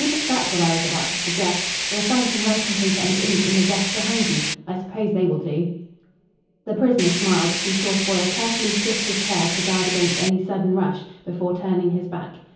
That's what I was about to suggest. You'll find some writing paper and ink in the desk behind you. I suppose they will do." The prisoner smiled as he saw Foyle carefully shift his chair to guard against any sudden rush, before turning his back.